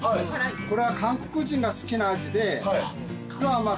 これは韓国人が好きな味でまあ